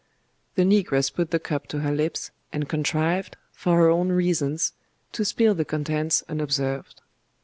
The negress put the cup to her lips, and contrived, for her own reasons, to spill the contents unobserved.